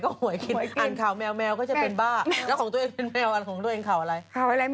โอ๊ยพูดแล้วกลับก่อนได้ไหม